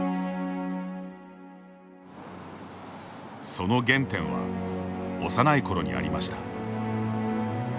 その原点は、幼い頃にありました。